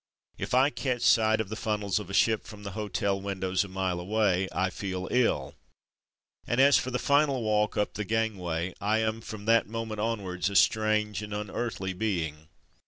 If I catch sight of the funnels of a ship from the hotel windows, a mile away, I feel ill. And as for the final walk up the gangway — I am from that moment onwards a strange and unearthly being.